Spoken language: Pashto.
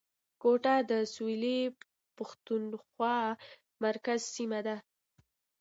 کوټه د سویلي پښتونخوا مرکز سیمه ده